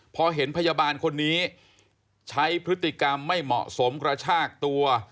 พอเห็นพยาบาลคนนี้ใช้พฤติกรรมไม่เหมาะสมกระชากตัว